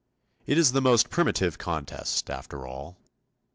It is the most primitive contest after all.